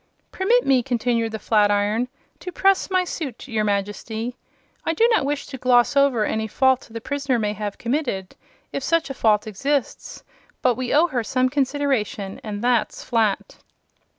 "Permit me," continued the flatiron, "to press my suit, your Majesty. I do not wish to gloss over any fault the prisoner may have committed, if such a fault exists; but we owe her some consideration, and that's flat!"